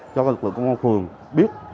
cho lực lượng công an phường biết